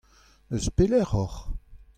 Eus pelec'h oc'h ?